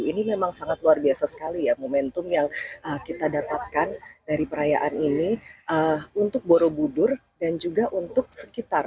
ini memang sangat luar biasa sekali ya momentum yang kita dapatkan dari perayaan ini untuk borobudur dan juga untuk sekitar